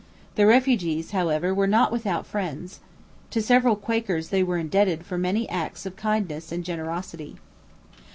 The refugees, however, were not without friends. To several Quakers they were indebted for many acts of kindness and generosity.